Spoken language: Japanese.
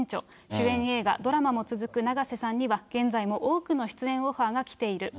主演映画、ドラマも続く永瀬さんには、現在も多くの出演オファーが来ている。